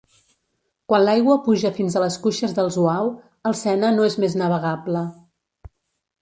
Quan l'aigua puja fins a les cuixes del Zuau, el Sena no és més navegable.